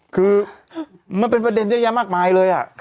คือมันเป็นประเด็นเยอะแยะมากมายเลย